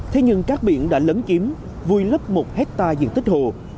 thế nhưng các biển đã lấn chiếm vùi lấp một hectare diện tích hồ